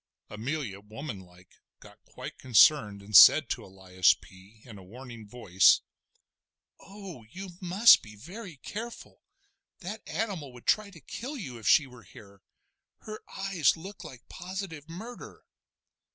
Amelia, womanlike, got quite concerned, and said to Elias P. in a warning voice: "Oh! you must be very careful. That animal would try to kill you if she were here; her eyes look like positive murder."